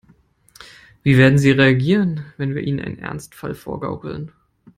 Wie werden sie reagieren, wenn wir ihnen einen Ernstfall vorgaukeln?